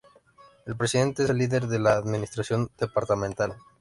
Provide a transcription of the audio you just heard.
El presidente es el líder de la administración departamental.